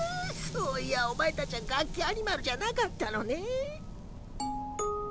そういやお前たちはガッキアニマルじゃなかったのねえ。